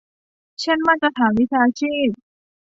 เช่นมาตรฐานวิชาชีพ